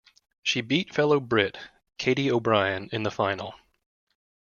She beat fellow Brit, Katie O'Brien, in the final.